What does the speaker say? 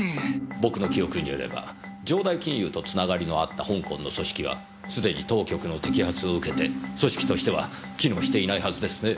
僕の記憶によれば城代金融とつながりのあった香港の組織はすでに当局の摘発を受けて組織としては機能していないはずですねぇ。